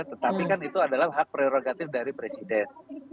tetapi kan itu adalah hak prerogatif dari presiden